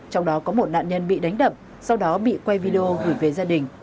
trong đó có một nạn nhân bị đánh đập sau đó bị quay video gửi về gia đình